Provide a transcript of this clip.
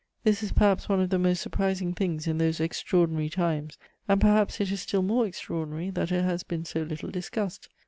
This is perhaps one of the most surprising things in those extraordinary times, and perhaps it is still more extraordinary that it has been so little discussed.